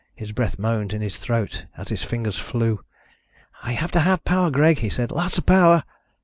His breath moaned in his throat as his fingers flew. "I have to have power, Greg," he said. "Lots of power."